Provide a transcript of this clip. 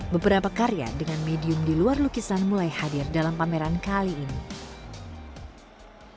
beberapa karya dengan medium di luar lukisan mulai hadir dalam pameran kali ini